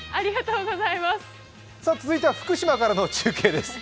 続いては福島からの中継です。